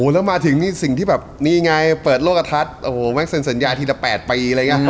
แล้วมาถึงสิ่งที่เปิดโลกทัศน์แสนสัญญาทีละ๘ปี